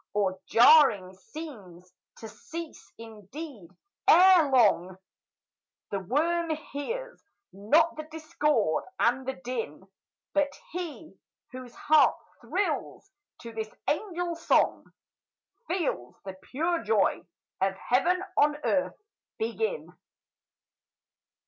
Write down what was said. Oh, jarring scenes! to cease, indeed, ere long; The worm hears not the discord and the din; But he whose heart thrills to this angel song, Feels the pure joy of heaven on earth begin!